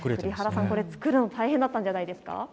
作るの大変だったんじゃないですか。